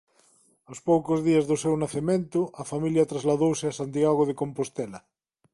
Aos poucos días do seu nacemento a familia trasladouse a Santiago de Compostela.